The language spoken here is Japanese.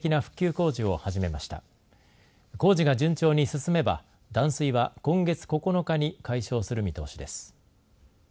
工事が順調に進めば、断水は今月９日に解消する見通しです。